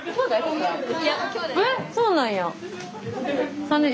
えっそうなんや？